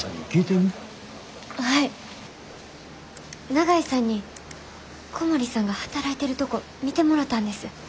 長井さんに小森さんが働いてるとこ見てもろたんです。